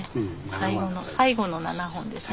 最後の最後の７本ですね。